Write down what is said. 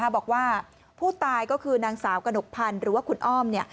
บอกว่าผู้ตายก็คือนางสาวกระหนกพันธ์หรือว่าคุณอ้อม